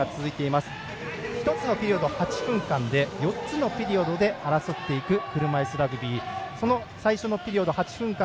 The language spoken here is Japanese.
１つのピリオド８分間で４つのピリオドで争っていく車いすラグビー。